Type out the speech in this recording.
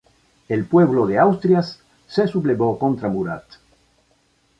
El pueblo de Asturias se sublevó contra Murat.